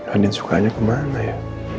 andin sukanya ke mana ya